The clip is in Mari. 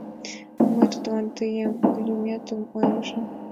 Мый тудлан тыйын лӱметым ойлышым.